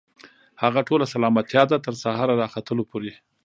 هغه ټوله سلامتيا ده، تر سهار راختلو پوري